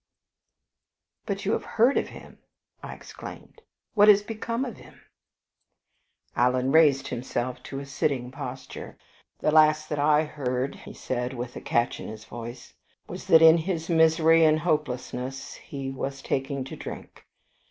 "But you have heard of him!" I exclaimed; "what has become of him?" Alan raised himself to a sitting posture. "The last that I heard," he said, with a catch in his voice, "was that in his misery and hopelessness he was taking to drink.